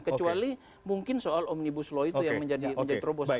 kecuali mungkin soal omnibus law itu yang menjadi terobosan